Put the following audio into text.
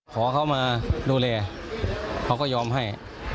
ขอเขามาดูแลเขาก็ยอมให้